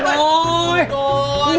masa luan doi